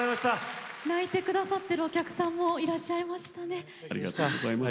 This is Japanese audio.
泣いているお客さんもいらっしゃいました。